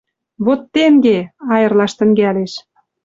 «Вот тенге!» Айырлаш тӹнгӓлеш...